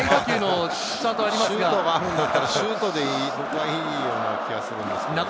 シュートがあるんだったら、シュートでいいような気がするね。